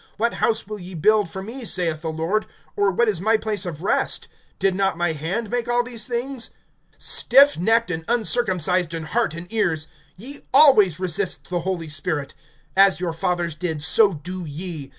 What house will ye build for me, saith the Lord; Or what is my place of rest? (50)Did not my hand make all these things? (51)Stiff necked, and uncircumcised in heart and ears! Ye always resist the Holy Spirit; as your fathers did, so do ye.